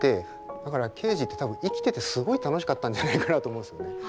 だからケージって多分生きててすごい楽しかったんじゃないかなと思うんですよね。